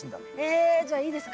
えじゃあいいですか？